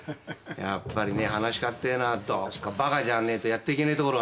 やっぱりね噺家っていうのはどこかばかじゃねえとやっていけねえところがありましてね。